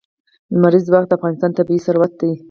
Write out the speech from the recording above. لمریز ځواک د افغانستان طبعي ثروت دی.